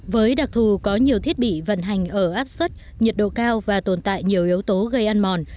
với đặc thù có nhiều thiết bị vận hành ở áp suất nhiệt độ cao và tồn tại nhiều yếu tố gây ăn mòn